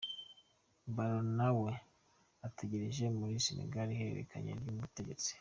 Barrow nawe ategerereje muri Senegal ihererekanya ry’Ubutegetsi.